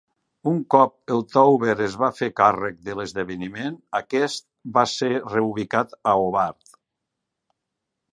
Un cop en Touber es va fer càrrec de l"esdeveniment, aquest va ser reubicat a Hobart.